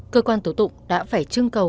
cơ quan tổ tụng đã phải trưng cầu